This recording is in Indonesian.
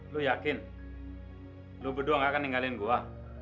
lo yakin lo berdua gak akan ninggalin gue